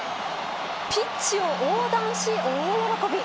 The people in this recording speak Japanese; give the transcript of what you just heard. ピッチを横断し、大喜び。